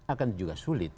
akan juga sulit